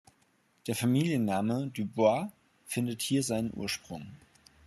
Der Familienname Du Bois findet hier seinen Ursprung.